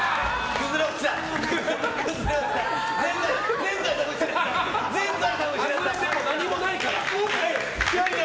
外れても何もないから。